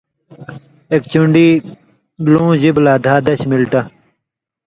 ایک چُݩڈی لُوں ژِبہۡ لا چھا دش مِلٹہ